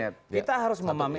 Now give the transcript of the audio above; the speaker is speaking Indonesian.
jadi kita harus memahami